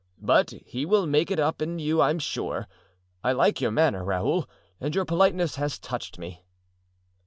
But he will make it up in you I am sure. I like your manner, Raoul, and your politeness has touched me."